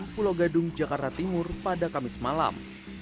pulau gadung jakarta timur pada kamis malam